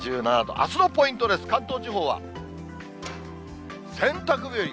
あすのポイントです、関東地方は洗濯日和。